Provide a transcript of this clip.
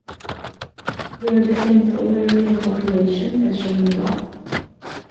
They are the same total area and population as shown above.